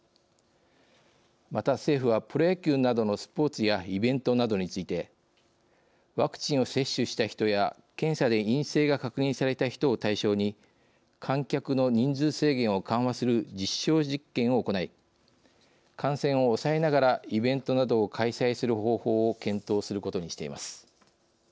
また、政府はプロ野球などのスポーツやイベントなどについてワクチンを接種した人や検査で陰性が確認された人を対象に観客の人数制限を緩和する実証実験を行い感染を抑えながらイベントなどを開催する方法を検討することにしています。